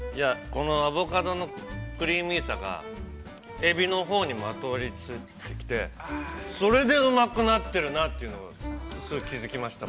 ◆このアボカドのクリーミーさが、エビのほうにもまとわりついてきて、それでうまくなってるなというのが、気づきました。